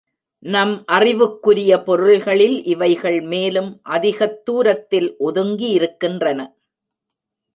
நம் அறிவுக்குரிய பொருள்களில் இவைகள் மேலும் அதிகத் தூரத்தில் ஒதுங்கியிருக்கின்றன.